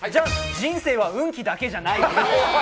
「人生は運気だけじゃない」